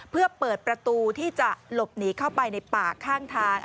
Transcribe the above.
เพื่อเปิดประตูที่จะหลบหนีเข้าไปในป่าข้างทาง